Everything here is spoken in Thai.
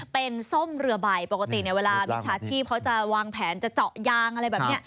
เป็นส้มเรือใบปกติเนี่ยเวลามิจฉาชีพเขาจะวางแผนจะเจาะยางอะไรแบบนี้